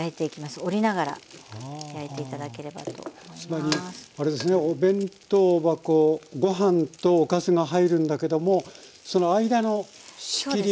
つまりあれですねお弁当箱ご飯とおかずが入るんだけどもその間の仕切りに。